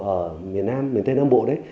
ở miền nam miền tây nam bộ đấy